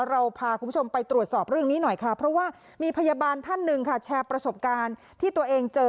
เราพาคุณผู้ชมไปตรวจสอบเรื่องนี้หน่อยค่ะเพราะว่ามีพยาบาลท่านหนึ่งค่ะแชร์ประสบการณ์ที่ตัวเองเจอ